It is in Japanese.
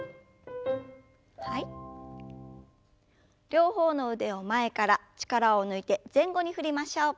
両方の腕を前から力を抜いて前後に振りましょう。